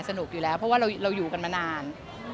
สนุกอยู่แล้วเพราะว่าเราอยู่กันมานาน